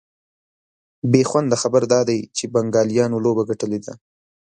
بېخونده خبر دا دی چي بنګالیانو لوبه ګټلې ده